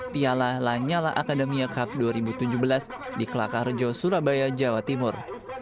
piala lanyala akademia cup dua ribu tujuh belas di kelakah rejo surabaya jawa timur